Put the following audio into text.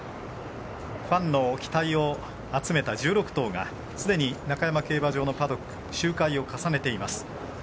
ファンの期待を集めた１６頭がすでに中山競馬場のパドック周回を重ねています。